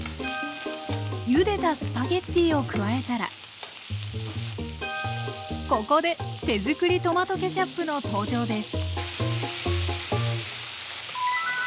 ゆでたスパゲッティを加えたらここで手づくりトマトケチャップの登場です！